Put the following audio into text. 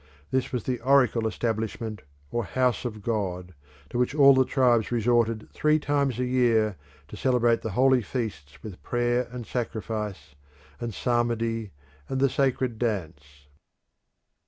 This was the oracle establishment, or House of God, to which all the tribes resorted three times a year to celebrate the holy feasts with prayer and sacrifice, and psalmody, and the sacred dance.